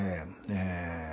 ええ。